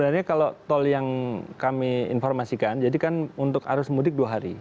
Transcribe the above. jadi kalau tol yang kami informasikan jadi kan untuk arus mudik dua hari